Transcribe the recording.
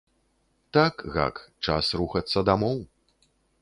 Так, гак, час рухацца дамоў!